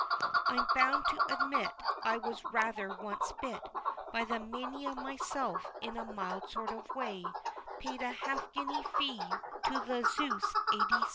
I'm bound to admit I was rather once bit By the mania myself in a mild sort of way; Paid a half guinea fee To the Zeus A.